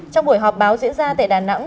trong buổi họp báo diễn ra tại đà nẵng